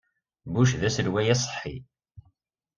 Bush d aselway aṣeḥḥi.